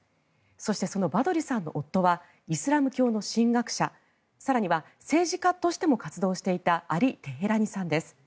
そして、そのバドリさんの夫はイスラム教の神学者更には政治家としても活動していたアリ・テヘラニさんです。